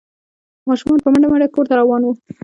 ماشومان په منډه منډه کور ته روان وو۔